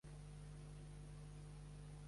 Em dic Amin Orue: o, erra, u, e.